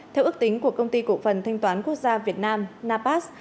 theo ước tính của công ty cổ phần thanh toán quốc gia việt nam napas